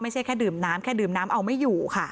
ไม่ใช่แค่ดื่มน้ำแค่ดื่มน้ำเอาไม่อยู่ค่ะ